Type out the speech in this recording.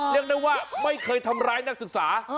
เรียกได้ว่าไม่เคยทำร้ายนักศึกษา